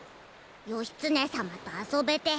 義経さまとあそべて。